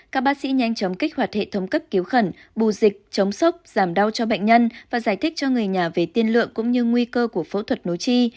các bác sĩ nhanh chóng kích hoạt hệ thống cấp cứu khẩn bù dịch chống sốc giảm đau cho bệnh nhân và giải thích cho người nhà về tiên lượng cũng như nguy cơ của phẫu thuật nối chi